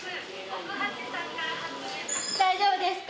大丈夫ですか？